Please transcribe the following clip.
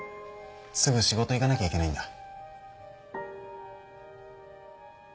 すぐ仕事行かなきゃいけないんだ。